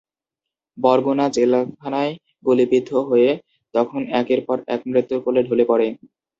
বরগুনা জেলখানায় গুলিবিদ্ধ হয়ে তখন একের পর এক মৃত্যুর কোলে ঢলে পড়ে।